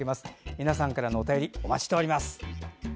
皆さんからのお便りお待ちしております。